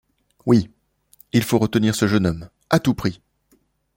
Oui! il faut retenir ce jeune homme, à tout prix !